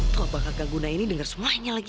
tuh apa kagak guna ini denger semuanya lagi